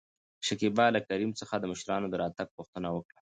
شکيبا له کريم څخه د مشرانو د راتګ پوښتنه وکړه.